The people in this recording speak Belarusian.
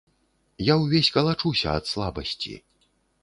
Я ўвесь калачуся ад слабасці.